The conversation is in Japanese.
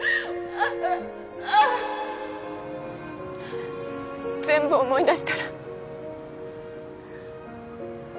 あ全部思い出したら。